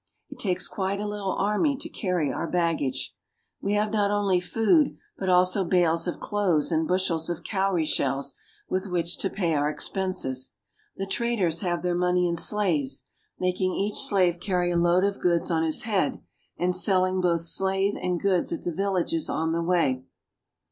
It takes quite a little army to carry our baggage. We have not only food, but also bales of cloths and bushels of cowrie shells with which to pay our expenses. The traders have their money in slaves, ABOUT KUKA AND LAKE TCHAD i6g making each slave carry a load of goods on his head and selling both slave and goods at the villages on the way.